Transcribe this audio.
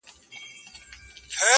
په یوه جرګه کي ناست وه مروروه!.